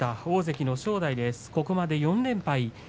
大関の正代です、ここまで４連敗。